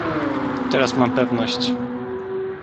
"Teraz mam pewność."